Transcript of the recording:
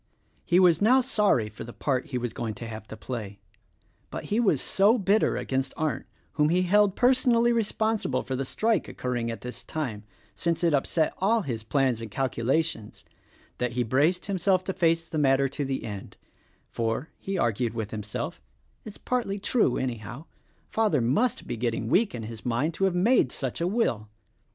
He was now sorry for the part he was going to have to play; but he was so bitter against Arndt, whom he held personally responsible for the strike occurring at this time, — since it upset all his plans and calculations — that he braced himself to face the matter to the end; — for, he argued with himself, "It's partly true anyhow: Father must be getting weak in his mind to have made such a will."